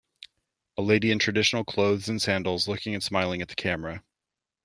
A lady in traditional clothes and sandals looking and smiling at the camera.